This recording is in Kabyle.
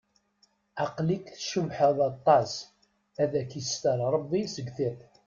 Aql-ik tcebḥeḍ aṭas, ad k-ister rebbi seg tiṭ.